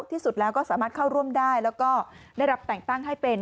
ที่สุดแล้วก็สามารถเข้าร่วมได้แล้วก็ได้รับแต่งตั้งให้เป็น